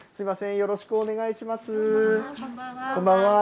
よろしくお願いします。